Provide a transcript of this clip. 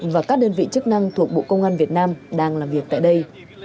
và các đơn vị chức năng thuộc bộ công an việt nam đang làm việc tại đây